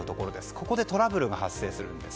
ここでトラブルが発生するんです。